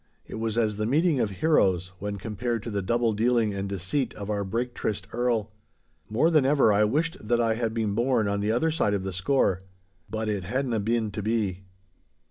It was as the meeting of heroes, when compared to the double dealing and deceit of our break tryst Earl. More than ever, I wished that I had been born on the other side of the score. But it hadna bin to be.